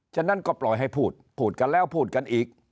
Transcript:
ฉะนั้นก็ปล่อยให้พูดพูดกันแล้วพูดกันอีก